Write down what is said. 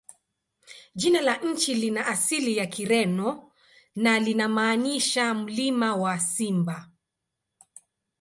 Jina la nchi lina asili ya Kireno na linamaanisha "Mlima wa Simba".